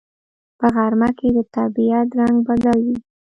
په غرمه کې د طبیعت رنگ بدل وي